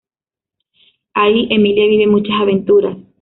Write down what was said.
Ahí Emilia vive muchas aventuras.